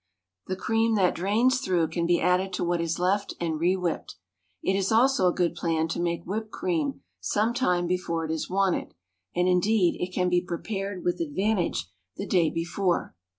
The cream that drains through can be added to what is left and re whipped. It is also a good plan to make whipped cream some time before it is wanted, and, indeed, it can be prepared with advantage the day before.